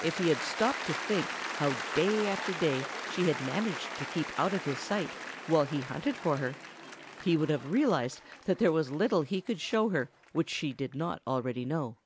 If he had stopped to think how day after day she had managed to keep out of his sight while he hunted for her, he would have realized that there was little he could show her which she did not already know.